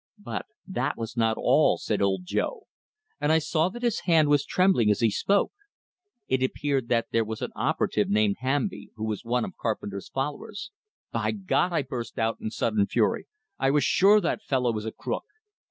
But that was not all, said Old Joe; and I saw that his hand was trembling as he spoke. It appeared that there was an "operative" named Hamby, who was one of Carpenter's followers. "By God!" I burst out, in sudden fury. "I was sure that fellow was a crook!"